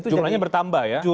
jumlahnya bertambah ya